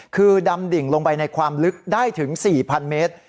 คือดำดิ่งลงไปในความลึกได้ถึง๔๐๐เมตร